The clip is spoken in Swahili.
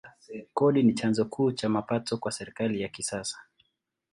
Kodi ni chanzo kuu cha mapato kwa serikali ya kisasa.